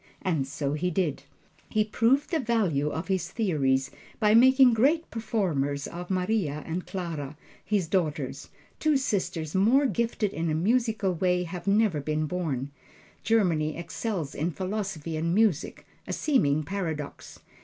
And so he did. He proved the value of his theories by making great performers of Maria and Clara, his daughters two sisters more gifted in a musical way have never been born. Germany excels in philosophy and music a seeming paradox.